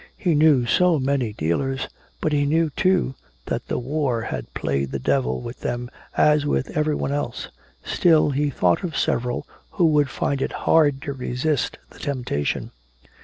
He knew so many dealers, but he knew, too, that the war had played the devil with them as with everyone else. Still, he thought of several who would find it hard to resist the temptation.